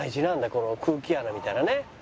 この空気穴みたいなね。